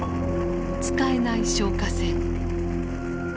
使えない消火栓。